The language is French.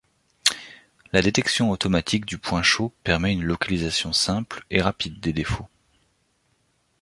La détection automatique du point chaud permet une localisation simple et rapide des défauts.